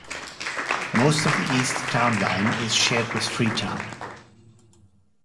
Most of the east town line is shared with Freetown.